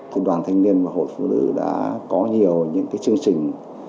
công đoàn thanh niên và hội phụ nữ đã có nhiều những chương trình